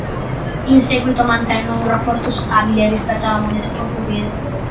In seguito mantenne un rapporto stabile rispetto alla moneta portoghese.